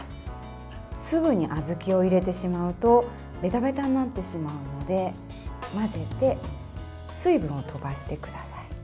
すぐに小豆を入れてしまうとべたべたになってしまうので混ぜて水分をとばしてください。